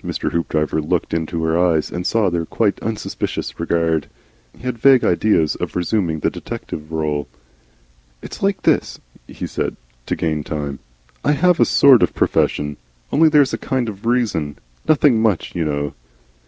Mr. Hoopdriver looked into her eyes and saw their quiet unsuspicious regard. He had vague ideas of resuming the detective role. "It's like this," he said, to gain time. "I have a sort of profession. Only there's a kind of reason nothing much, you know."